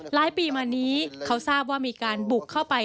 ปีมานี้เขาทราบว่ามีการบุกเข้าไป